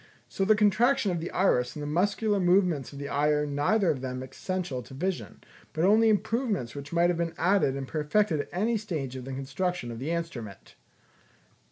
So the contraction of the iris and the muscular movements of the eye are neither of them essential to vision, but only improvements which might have been added and perfected at any stage of the construction of the instrument."